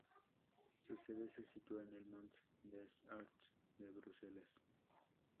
Su sede se sitúa en el "Mont des Arts" de Bruselas.